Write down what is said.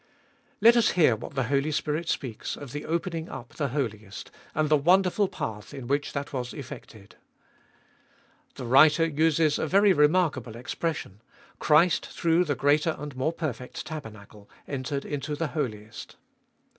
Let us hear what the Holy Spirit speaks of the opening up the Holiest, and the wonderful path in which that was effected. The writer uses a very remarkable expression, Christ through the greater and more perfect tabernacle, entered into the Holiest.